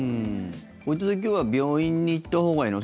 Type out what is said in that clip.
こういう時は病院に行ったほうがいいの？